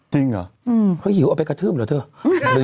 จริงเหรอเขาหิวเอาไปกระทืบเหรอเถอะ